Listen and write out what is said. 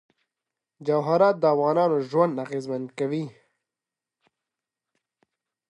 جواهرات د افغانانو ژوند اغېزمن کوي.